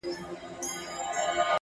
• او کارونه د بل چا کوي..